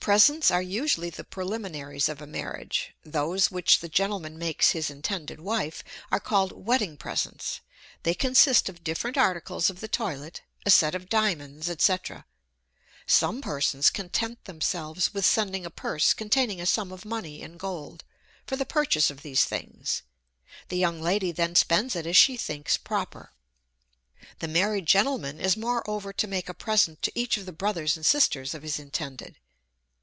Presents are usually the preliminaries of a marriage: those which the gentleman makes his intended wife, are called wedding presents; they consist of different articles of the toilet, a set of diamonds, &c. Some persons content themselves with sending a purse containing a sum of money in gold, for the purchase of these things: the young lady then spends it as she thinks proper. The married gentleman is moreover to make a present to each of the brothers and sisters of his intended.